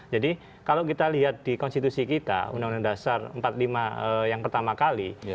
jadi kalau kita lihat di konstitusi kita undang undang dasar empat puluh lima yang pertama kali